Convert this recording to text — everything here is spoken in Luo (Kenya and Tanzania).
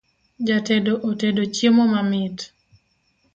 Jatedo otedo chiemo mamit